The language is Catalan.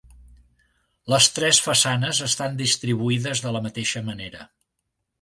Les tres façanes estan distribuïdes de la mateixa manera.